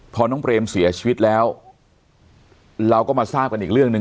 พอน้องเปรมเสียชีวิตแล้วเราก็มาทราบกันอีกเรื่องหนึ่ง